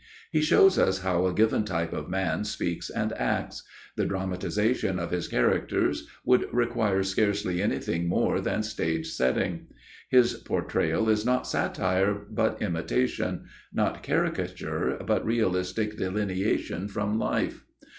He shows us how a given type of man speaks and acts; the dramatization of his characters would require scarcely anything more than stage setting. His portrayal is not satire, but imitation; not caricature, but realistic delineation from life.